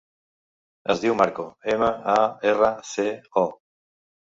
Es diu Marco: ema, a, erra, ce, o.